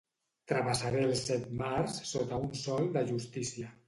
Travessaré els set mars sota un sol de justícia.